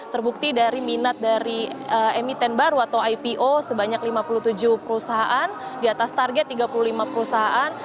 terbukti dari minat dari emiten baru atau ipo sebanyak lima puluh tujuh perusahaan di atas target tiga puluh lima perusahaan